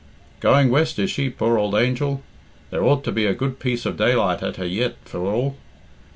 "Going west, is she, poor ould angel? There ought to be a good piece of daylight at her yet, for all.